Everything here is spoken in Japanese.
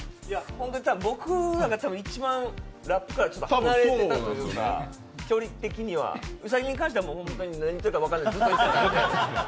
僕らが多分一番ラップから離れてたというか距離的には、兎に関しては何、言ってるか分からないし。